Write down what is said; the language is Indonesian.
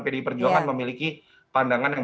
pdi perjuangan memiliki pandangan yang